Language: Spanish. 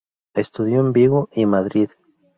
Estudió en Vigo y Madrid.